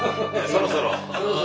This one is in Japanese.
・そろそろ。